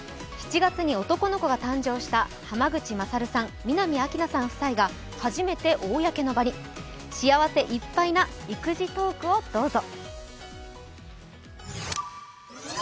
７月に男の子が誕生した濱口優さん、南明奈さん夫妻が初めて公の場に、幸せいっぱいな育児トークをどうぞ。